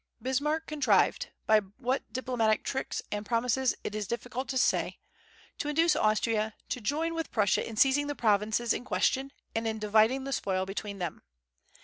Bismarck contrived (by what diplomatic tricks and promises it is difficult to say) to induce Austria to join with Prussia in seizing the provinces in question and in dividing the spoil between them.